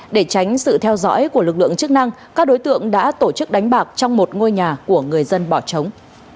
để tránh sự theo dõi của lực lượng chức năng các đối tượng đã tổ chức đánh bạc trong một ngôi nhà của người dân bỏ trống